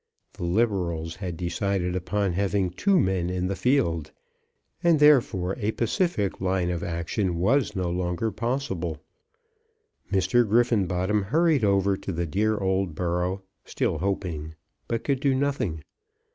The Liberals had decided upon having two men in the field, and therefore a pacific line of action was no longer possible. Mr. Griffenbottom hurried over to the dear old borough, still hoping, but could do nothing.